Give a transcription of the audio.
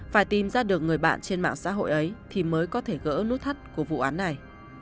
phải tìm ra được người bạn trên mạng xã hội ấy thì mới có thể gỡ nút thắt của vụ án này